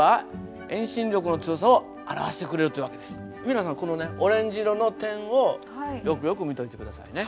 皆さんこのねオレンジ色の点をよくよく見ておいて下さいね。